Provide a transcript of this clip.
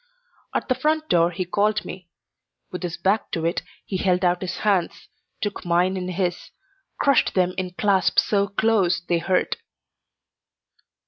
At the front door he called me. With his back to it he held out his hands, took mine in his, crushed them in clasp so close they hurt.